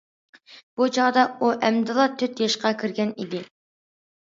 بۇ چاغدا ئۇ، ئەمدىلا تۆت ياشقا كىرگەن ئىدى.